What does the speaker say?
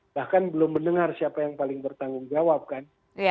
bahkan belum mendengar siapa yang paling bertanggung jawab kan